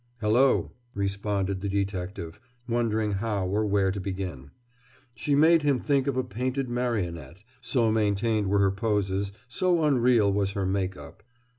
"Hello!" responded the detective, wondering how or where to begin. She made him think of a painted marionette, so maintained were her poses, so unreal was her make up.